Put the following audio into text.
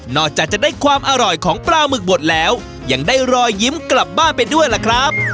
จากจะได้ความอร่อยของปลาหมึกบดแล้วยังได้รอยยิ้มกลับบ้านไปด้วยล่ะครับ